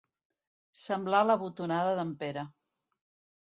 Semblar la botonada d'en Pere.